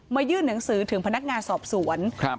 ยื่นหนังสือถึงพนักงานสอบสวน